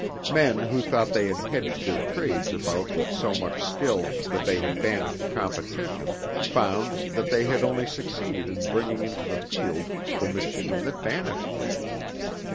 Men who thought they had hedged their trades about with so much skill that they had banished competition, found that they had only succeeded in bringing into the field the machine that banished them.